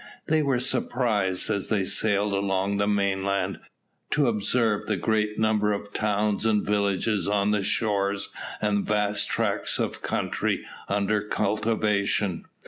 They were surprised, as they sailed along the mainland, to observe the great number of towns and villages on the shores and vast tracts of country under cultivation.